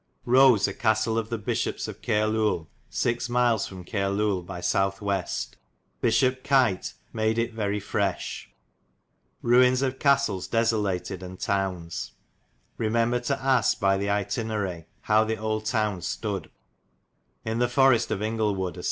Rose a castel of the Bisshops of Cairluel [vi. myles] fro Cairleul by [sowth west.] Bisshop Kighf^ made hit very [fresh.] * Ruines of castels desolated and townes. fo. 72 b. Remember to aske by the Itineray how the old townes stoode.f In the forest of Ynglewood a vi.